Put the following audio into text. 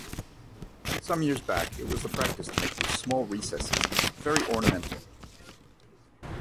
Some years back it was the practice to make these small recesses very ornamental.